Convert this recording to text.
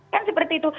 kan seperti itu